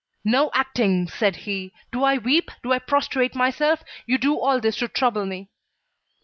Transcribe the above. "No acting," said he. "Do I weep, do I prostrate myself? You do all this to trouble me."